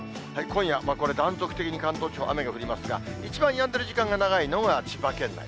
今夜、これ断続的に関東地方、雨が降りますが、一番やんでる時間が長いのが千葉県内。